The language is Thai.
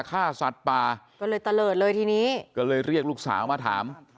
ฆ่าสัตว์ป่าก็เลยตะเลิศเลยทีนี้ก็เลยเรียกลูกสาวมาถาม